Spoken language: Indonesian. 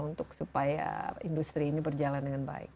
untuk supaya industri ini berjalan dengan baik